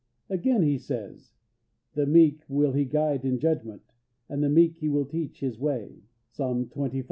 Again, he says: "The meek will He guide in judgment: and the meek will He teach His way" (Psalm xxv.